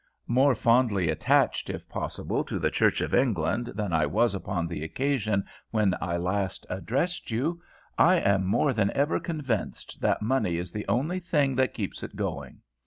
More fondly attached, if possible, to the Church of England than I was upon the occasion when I last addressed you, I am more than ever convinced that money is the only thing that keeps it going.